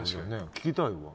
聞きたいわ。